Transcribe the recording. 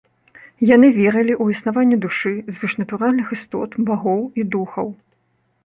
Яны верылі ў існаванне душы, звышнатуральных істот, багоў і духаў.